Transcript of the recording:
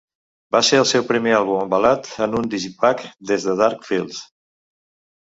Va ser el seu primer àlbum embalat en un digipak des de Dark Fields.